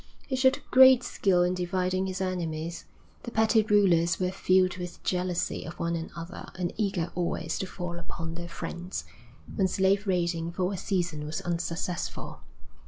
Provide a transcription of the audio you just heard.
He showed great skill in dividing his enemies. The petty rulers were filled with jealousy of one another and eager always to fall upon their friends, when slave raiding for a season was unsuccessful.